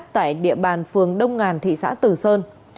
tại địa bàn phường đông ngàn thị xã tử sơn